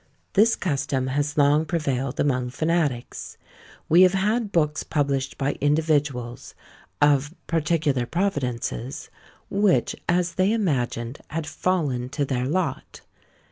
This custom has long prevailed among fanatics: we have had books published by individuals, of "particular providences," which, as they imagined, had fallen to their lot.